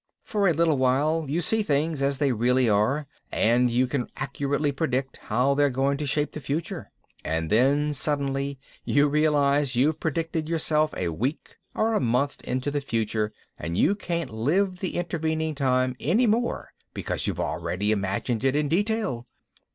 For a little while you see things as they really are and you can accurately predict how they're going to shape the future ... and then suddenly you realize you've predicted yourself a week or a month into the future and you can't live the intervening time any more because you've already imagined it in detail.